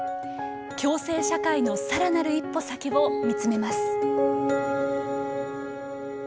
共生社会のさらなる一歩先を見つめます。